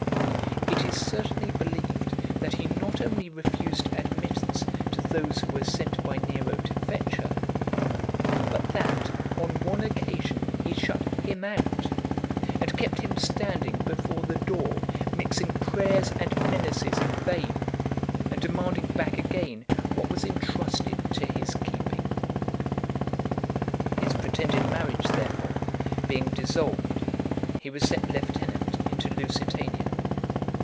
It is certainly believed that he not only refused admittance to those who were sent by Nero to fetch her, but that, on one (418) occasion, he shut him out, and kept him standing before the door, mixing prayers and menaces in vain, and demanding back again what was entrusted to his keeping. His pretended marriage, therefore, being dissolved, he was sent lieutenant into Lusitania.